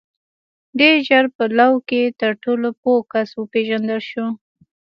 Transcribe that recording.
• ډېر ژر په لو کې تر ټولو پوه کس وپېژندل شو.